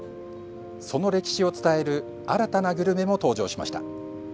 その歴史を伝える新たなグルメも登場しました。